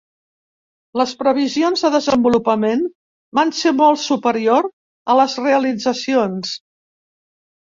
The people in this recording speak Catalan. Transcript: Les previsions de desenvolupament van ser molt superior a les realitzacions.